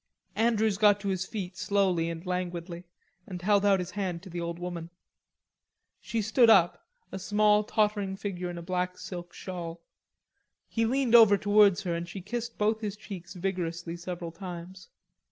Andrews got to his feet slowly and languidly and held out his hand to the old woman. She stood up, a small tottering figure in a black silk shawl. He leaned over towards her and she kissed both his cheeks vigorously several times.